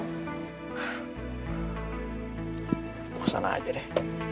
tunggu sana aja deh